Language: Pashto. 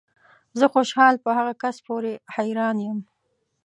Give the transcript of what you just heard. زه خوشحال په هغه کس پورې حیران یم